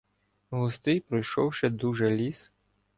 Густий пройшовши дуже ліс.